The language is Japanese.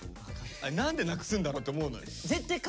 あれ何で無くすんだろうって思うのよ。